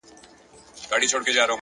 علم د جهالت تر ټولو لوی دښمن دی’